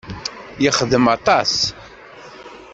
Yexdem aṭas.